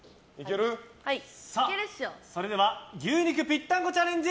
それでは牛肉ぴったんこチャレンジ